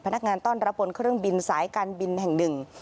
พนักงานต้อนรับบนเครื่องบินสายการบินแห่งหนึ่ง